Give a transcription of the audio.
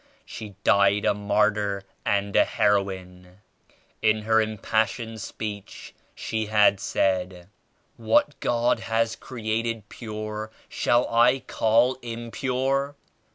She died a martyr and a heroine. In her impassioned speech she had said What God has created pure shall I call impure?